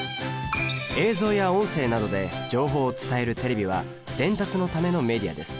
映像や音声などで情報を伝えるテレビは「伝達のためのメディア」です。